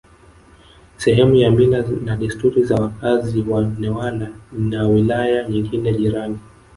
sehemu ya mila na desturi za wakazi wa Newala na wilaya nyingine jirani